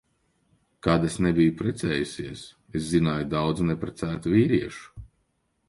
Kad es nebiju precējusies, es zināju daudz neprecētu vīriešu.